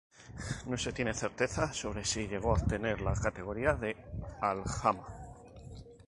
No se tiene certeza sobre si llegó obtener la categoría de aljama.